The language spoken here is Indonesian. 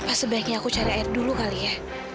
ah sebaiknya aku cari air dulu kali ya